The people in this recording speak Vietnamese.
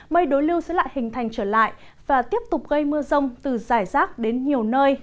mây đối lưu sẽ lại hình thành trở lại và tiếp tục gây mưa rông từ giải rác đến nhiều nơi